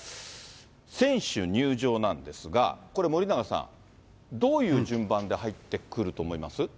選手入場なんですが、これ、森永さん、どういう順番で入ってくると思います？